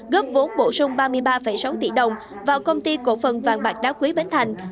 góp vốn bổ sung ba mươi ba sáu tỷ đồng vào công ty cổ phần vàng bạc đá quý bến thành